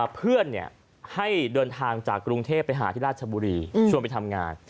เพื่อนให้เดินทางจากกรุงเทพไปหาที่ราชบุรีชวนไปทำงาน